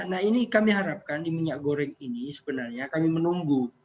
nah ini kami harapkan di minyak goreng ini sebenarnya kami menunggu